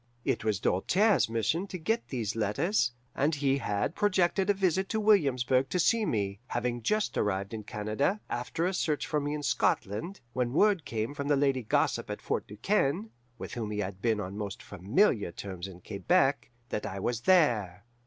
It was Doltaire's mission to get these letters, and he had projected a visit to Williamsburg to see me, having just arrived in Canada, after a search for me in Scotland, when word came from the lady gossip at Fort Du Quesne (with whom he had been on most familiar terms in Quebec) that I was there.